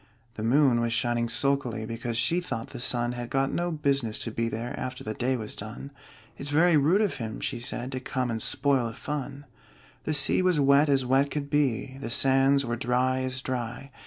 The moon was shining sulkily, Because she thought the sun Had got no business to be there After the day was done "It's very rude of him," she said, "To come and spoil the fun!" The sea was wet as wet could be, The sands were dry as dry.